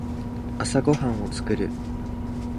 朝ごはんを作る。